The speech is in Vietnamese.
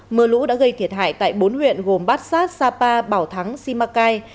mưa lũ đã gây thiệt hại tại bốn huyện gồm bát sát sapa bảo thắng simacai